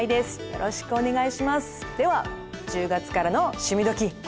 では１０月からの「趣味どきっ！」。